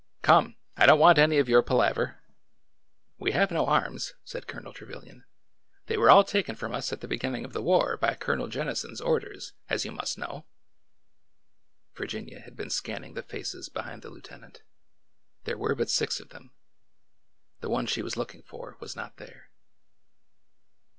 " Come 1 I don't want any of your palaver 1 " 14 210 ORDER NO. 11 ''We have no arms/' said Colonel Trevilian. " They were all taken from us at the beginning of the war by Colonel Jennison's orders, as you must know." Virginia had been scanning the faces behind the lieu tenant. There were but six of them. The one she was looking for was not there.